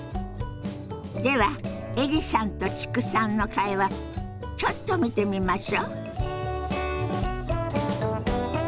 ではエリさんと知久さんの会話ちょっと見てみましょ。